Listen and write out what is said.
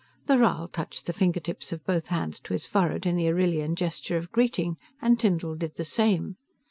The Rhal touched the fingertips of both hands to his forehead in the Arrillian gesture of greeting, and Tyndall did the same.